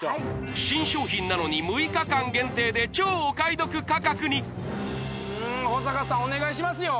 新商品なのに６日間限定で超お買い得価格にうーん保阪さんお願いしますよ